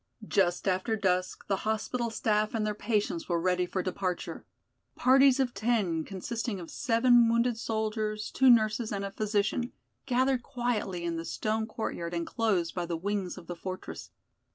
Just after dusk the hospital staff and their patients were ready for departure. Parties of ten, consisting of seven wounded soldiers, two nurses and a physician, gathered quietly in the stone courtyard enclosed by the wings of the fortress.